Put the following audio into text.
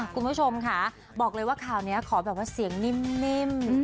คุณผู้ชมค่ะบอกเลยว่าข่าวนี้ขอแบบว่าเสียงนิ่ม